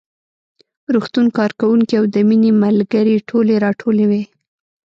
روغتون کارکوونکي او د مينې ملګرې ټولې راټولې وې